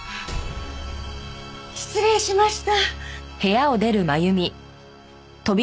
失礼しました。